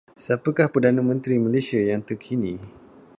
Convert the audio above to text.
Siapakah Perdana Menteri Malaysia yang terkini?